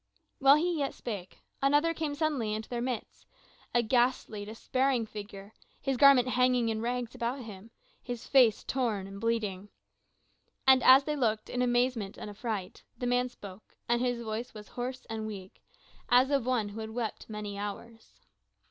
While he yet spake, another came suddenly into their midst, a ghastly, despairing figure, his garments hanging in rags about him, his face torn and bleeding. And as they looked in amazement and affright, the man spoke and his voice was hoarse and weak, as of one who had wept many hours.